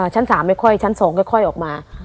ชั้น๓ไม่ค่อยชั้น๒ค่อยออกมา